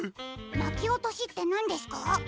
「なきおとし」ってなんですか？